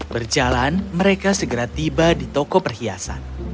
berjalan mereka segera tiba di toko perhiasan